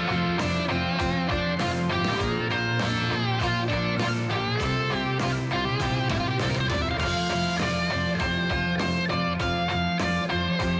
มนตาคินาที่เราเห็นเป็นธรรมดาที่ปัญหากว่างนั้น